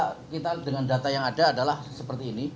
karena kita dengan data yang ada adalah seperti ini